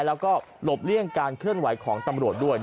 แล้วก็หลบเลี่ยงการเคลื่อนไหวของตำรวจด้วย